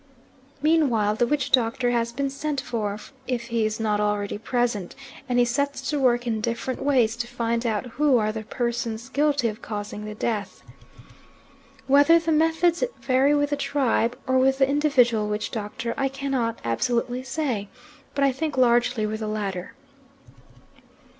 Meanwhile the witch doctor has been sent for, if he is not already present, and he sets to work in different ways to find out who are the persons guilty of causing the death. Whether the methods vary with the tribe, or with the individual witch doctor, I cannot absolutely say, but I think largely with the latter.